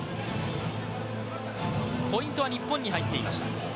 ポイントは日本に入っていました。